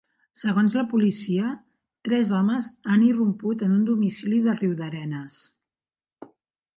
Segons la policia, tres homes han irromput en un domicili de Riudarenes.